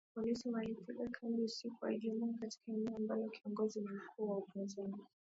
Polisi walipiga kambi usiku wa Ijumaa katika eneo ambalo kiongozi ni mkuu wa upinzani